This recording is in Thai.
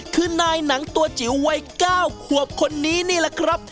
คือนายหนังตัวจิ๋ววัย๙ขวบคนนี้นี่แหละครับ